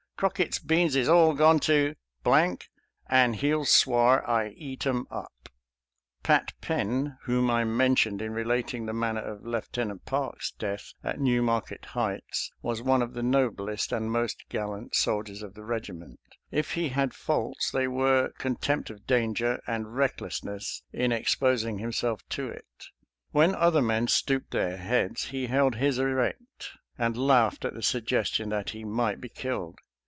Crockett's beans is all gone to , an' he'll swar I eat 'em up." 264 SOLDIER'S LETTERS TO CHARMING NELLIE Pat Penn, whom I mentioned in relating the manner of Lieutenant Park's death at New Market Heights, was one of the noblest and most gallant soldiers of the regiment. If he had faults, they were contempt of danger and recklessness in exposing himself to it. When other men stooped their heads he held his erect, and laughed at the suggestion that he might be killed.